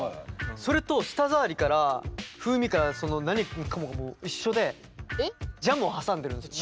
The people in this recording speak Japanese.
それと舌触りから風味からその何もかもがもう一緒でジャムを挟んでるんですよ。